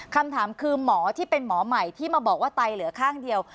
คำถามคือหมอที่เป็นหมอใหม่ที่มาบอกว่าไตเหลือข้างเดียว